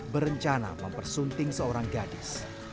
berencana mempersunting seorang gadis